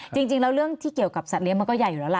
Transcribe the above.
จริงแล้วเรื่องที่เกี่ยวกับสัตว์เลี้ยมันก็ใหญ่อยู่แล้วล่ะ